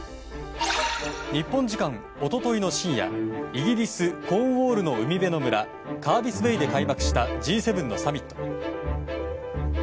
日本時間一昨日の深夜イギリス・コーンウォールの海辺の村カービスベイで開幕したＧ７のサミット。